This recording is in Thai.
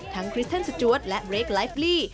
ทั้งคริสเทนสตรวร์ตและเรคไลฟ์ลี